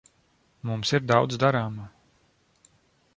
Mums ir daudz darāmā.